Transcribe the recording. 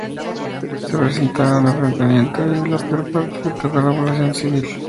Se presentaron enfrentamiento y la peor parte le toco a la población civil.